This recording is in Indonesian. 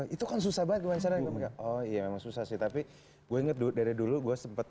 itu kan susah banget gue enggak oh iya memang susah sih tapi gue enggak dulu dari dulu gue sempat